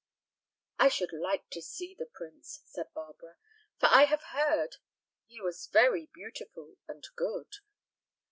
"I should like to see the prince," said Barbara, "for I have heard he was very beautiful and good."